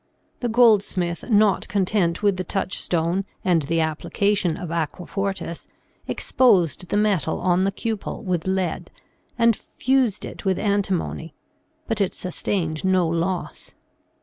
The goldsmith not content with the touch stone and the application of aquafortis, exposed the metal on the cupel with lead and fused it with antimony, but it sustained no loss.